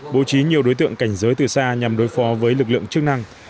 bố trí nhiều đối tượng cảnh giới từ xa nhằm đối phó với lực lượng chức năng